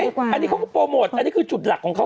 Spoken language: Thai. อันนี้เขาก็โปรโมทอันนี้คือจุดหลักของเขา